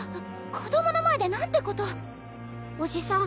子供の前で何てことおじさん